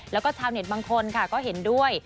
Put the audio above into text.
แล้วก็ชาวเน็ตบางคนค่ะก็เห็นด้วย